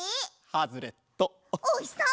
ハズレット。